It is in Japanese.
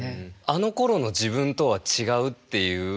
あのころの自分とは違うっていう。